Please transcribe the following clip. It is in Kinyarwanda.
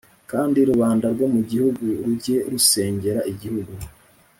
Kandi rubanda rwo mu gihugu rujye rusengera igihungu